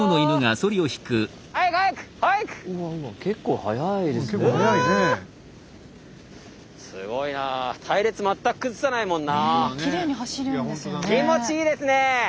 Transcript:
結構速いですねえ。